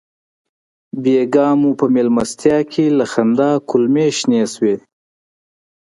بېګا مو په مېلمستیا کې له خندا کولمې شنې شولې.